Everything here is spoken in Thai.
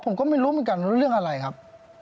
ผมก็ไม่รู้เหมือนกันว่าเรื่องอะไรครับ